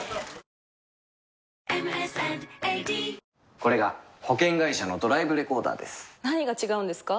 これが保険会社のドライブレコーダーです何が違うんですか？